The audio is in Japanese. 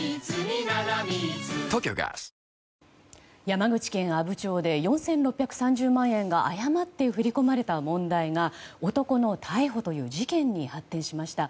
山口県阿武町で４６３０万円が誤って振り込まれた問題が男の逮捕という事件に発展しました。